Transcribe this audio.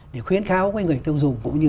để khuyến kháo người tiêu dùng cũng như